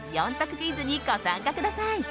クイズにご参加ください。